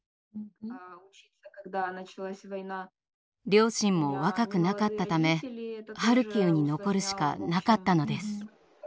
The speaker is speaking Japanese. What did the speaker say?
両親も若くなかったためハルキウに残るしかなかったのです。